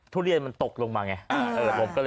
พี่ทำยังไงฮะ